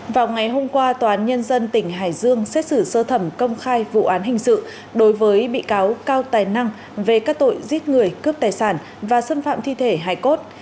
vào ngày hôm qua tòa án nhân dân tỉnh hải dương xét xử sơ thẩm công khai vụ án hình sự đối với bị cáo cao tài năng về các tội giết người cướp tài sản và xâm phạm thi thể hải cốt